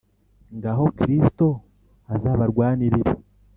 Ngaho Kristo azabarwanirire